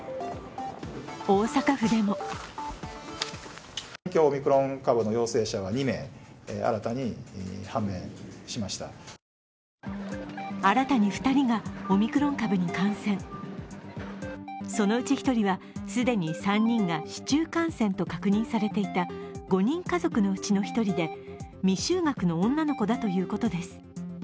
大阪府でも新たに２人がオミクロン株に感染そのうち１人は既に３人が市中感染と確認されていた５人家族のうちの１人で、未就学の女の子だということです。